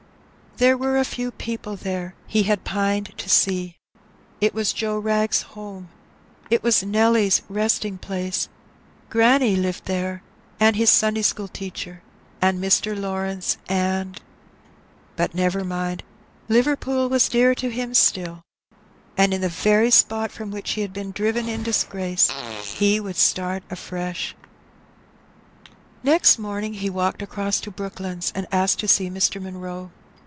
There were a few people there he had pined to see. It was Joe Wrag's home ; it was Nelly's resting place; granny lived there, and his Sunday school teacher, and Mr. Lawrence, and But never mind, Liverpool was dear to him still, and in the very spot from which he had been driven in disgrace he would start afresh. Next morning he walked across to Brooklands, and asked to see Mr. Munroe.